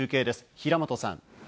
平本さん。